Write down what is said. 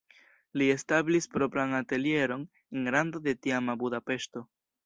Li establis propran atelieron en rando de tiama Budapeŝto.